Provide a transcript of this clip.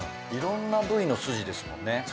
いろんな部位のすじですもんね。